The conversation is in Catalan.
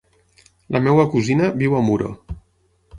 La meva cosina viu a Muro.